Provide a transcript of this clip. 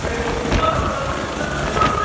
まだまだ努力が足りません。